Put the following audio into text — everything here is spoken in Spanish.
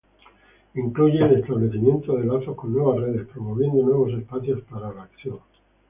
Incluye el establecimiento de lazos con nuevas redes, promoviendo nuevos espacios para la acción.